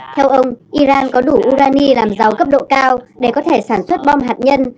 theo ông iran có đủ urani làm gió cấp độ cao để có thể sản xuất bom hạt nhân